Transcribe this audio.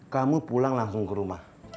kamu pulang langsung ke rumah